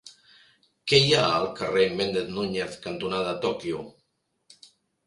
Què hi ha al carrer Méndez Núñez cantonada Tòquio?